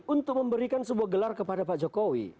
untuk memberikan sebuah gelar kepada pak jokowi